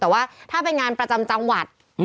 แต่ว่าถ้าเป็นงานประจำจังหวัด